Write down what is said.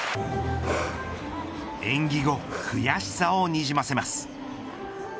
演技後悔しさをにじませます。